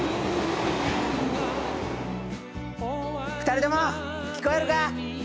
２人とも聞こえるか！